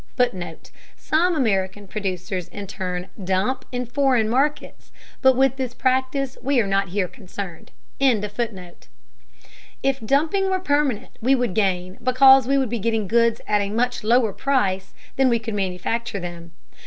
[Footnote: Some American producers in turn "dump" in foreign markets, but with this practice we are not here concerned.] If dumping were permanent, we would gain because we would be getting goods at a much lower price than we could manufacture them.